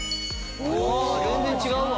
ああ全然違うわ！